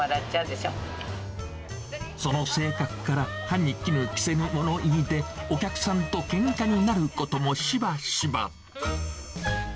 その性格から、歯にきぬ着せぬ物言いで、お客さんとけんかになることもしばしば。